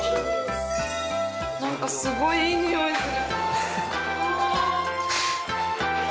何かすごいいい匂いする。